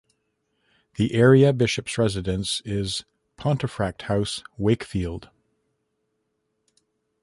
The area bishop's residence is Pontefract House, Wakefield.